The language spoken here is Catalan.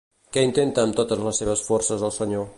Què intenta amb totes les seves forces el senyor?